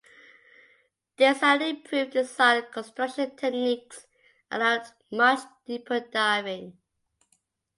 This, and improved design and construction techniques allowed much deeper diving.